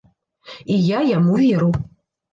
І я яму веру.